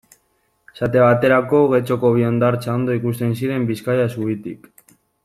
Esate baterako, Getxoko bi hondartza ondo ikusten ziren Bizkaia zubitik.